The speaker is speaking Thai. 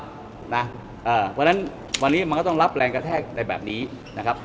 เพราะฉะนั้นวันนี้มันก็ต้องรับแรงกระแทกในแบบนี้นะครับ